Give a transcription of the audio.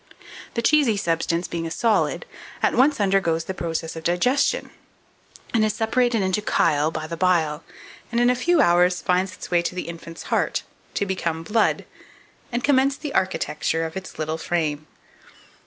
The cheesy substance being a solid, at once undergoes the process of digestion, is separated into chyle by the bile, and, in a few hours, finds its way to the infant's heart, to become blood, and commence the architecture of its little frame.